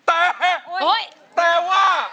แต่แต่ว่า